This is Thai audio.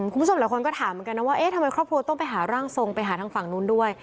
ผู้ชมหลายคนก็ถามว่าทำไมครอบครัวต้องไปหาร่างทรงไปหาทางฝั่งโน้นด้วย